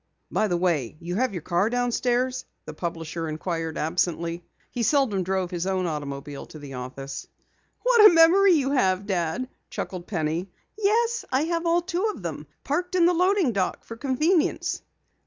"By the way, you have your car downstairs?" the publisher inquired absently. He seldom drove his own automobile to the office. "What a memory you have, Dad!" chuckled Penny. "Yes, I have all two of them! Parked in the loading dock for convenience."